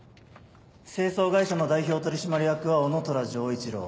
清掃会社の代表取締役は男虎丈一郎。